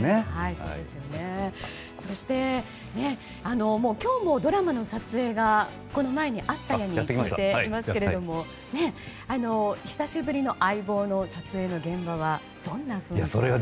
そして、今日もドラマの撮影があったと聞いてますけども久しぶりの「相棒」の撮影の現場はどんな雰囲気でしたか？